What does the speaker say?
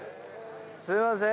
すみません